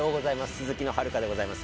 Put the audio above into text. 鈴木の遥でございます。